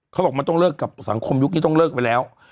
เขาบอกมันต้องเลิกกับสังคมยุคนี้ต้องเลิกไปแล้ว